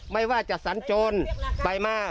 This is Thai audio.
ไม่ว่าจะสัญจรไปมา